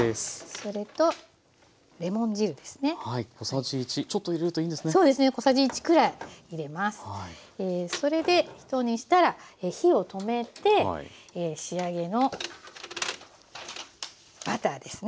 それでひと煮したら火を止めて仕上げのバターですね。